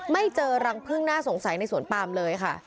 ไม่เจอรังพึ่งน่าสงสัยในสวนปามเลยค่ะ